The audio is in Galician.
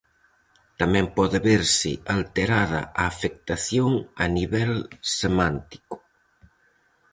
Tamén pode verse alterada a afectación a nivel semántico.